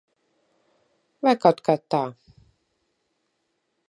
Vai kaut kā tā.